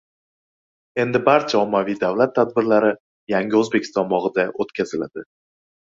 Endi barcha ommaviy davlat tadbirlari «Yangi O‘zbekiston» bog‘ida o‘tkaziladi